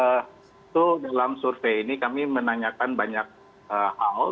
betul dalam survei ini kami menanyakan banyak hal